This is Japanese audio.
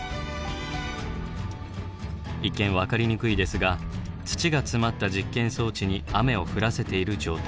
一見分かりにくいですが土が詰まった実験装置に雨を降らせている状態。